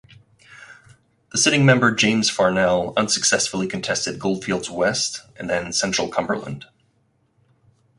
The sitting member James Farnell unsuccessfully contested Goldfields West and then Central Cumberland.